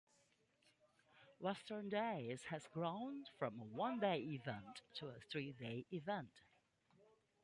Western Days has grown from a one-day event to a three-day event.